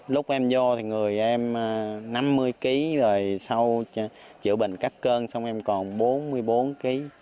lúc em vô thì người em năm mươi kg rồi sau chữa bệnh các cơn xong em còn bốn mươi bốn kg